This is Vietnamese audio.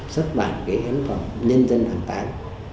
xuất bản cái ấn phẩm nhân dân hoàn toàn